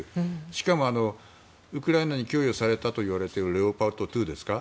しかも、ウクライナに供与されたといわれているレオパルト２ですか。